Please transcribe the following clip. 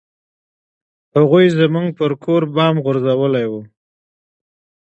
هغوى زموږ پر کور بم غورځولى و.